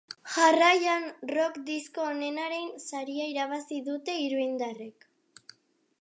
Jarraian, rock disko onenaren saria irabazi dute iruindarrek.